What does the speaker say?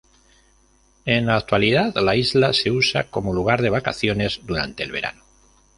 En la actualidad la isla se usa como lugar de vacaciones durante el verano.